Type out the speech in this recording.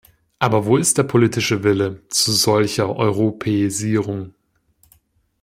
Aber wo ist der politische Wille zu solcher Europäisierung?